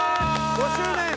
５周年。